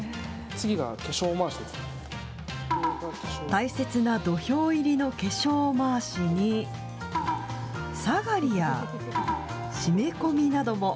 大切な土俵入りの化粧まわしに、さがりや、締め込みなども。